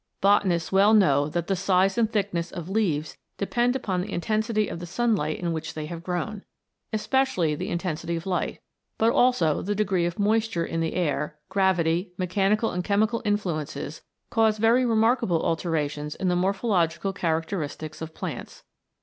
Botanists well know that the size and thickness of leaves depend upon the intensity of the sunlight in which they have grown. Especially the in tensity of light, but also the degree of moisture in the air, gravity, mechanical and chemical influences cause very remarkable alterations in the morphological characteristics of plants.